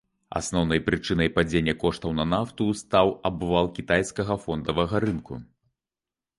Асноўнай прычынай падзення коштаў на нафту стаў абвал кітайскага фондавага рынку.